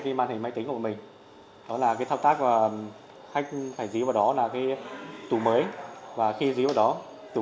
cái máy tính của mình đó là cái thao tác khách phải dí vào đó là cái tủ mới và khi dí vào đó tủ